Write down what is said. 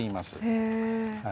へえ。